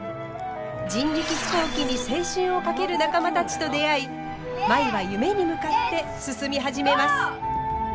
人力飛行機に青春を懸ける仲間たちと出会い舞は夢に向かって進み始めます。